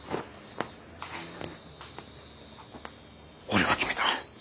俺は決めた。